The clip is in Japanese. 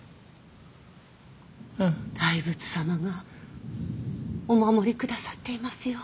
大仏様がお守りくださっていますよ。